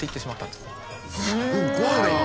すごいなあ！